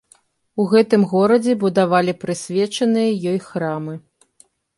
У гэтым горадзе будавалі прысвечаныя ёй храмы.